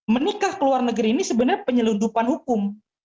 menikah ke luar negeri ini sebenarnya penyelundupan hukum